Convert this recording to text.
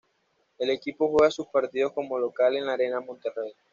El equipo juega sus partidos como local en la Arena Monterrey.